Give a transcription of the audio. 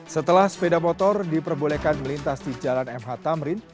setelah sepeda motor diperbolehkan melintas di jalan mh tamrin